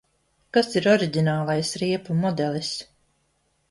Kas ir oriģinālais riepu modelis?